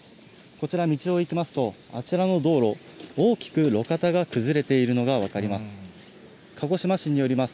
こちら、道を行きますと、あちらの道路、大きく路肩が崩れているのが分かります。